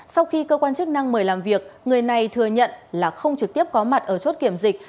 sau khi cơ quan chức năng mời làm việc người này thừa nhận là không trực tiếp có mặt ở chốt kiểm dịch